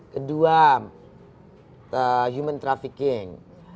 kedua human trafficking